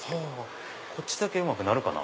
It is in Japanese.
こっちだけうまく鳴るかな。